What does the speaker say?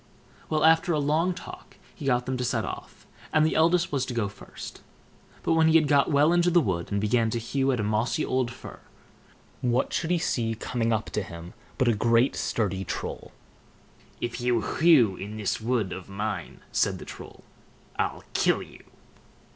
Well, after a long talk he got them to set off, and the eldest was to go first. But when he had got well into the wood, and began to hew at a mossy old fir, what should he see coming up to him but a great sturdy Troll. "If you hew in this wood of mine", said the Troll, "I'll kill you!"